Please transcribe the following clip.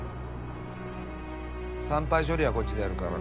産廃処理はこっちでやるから。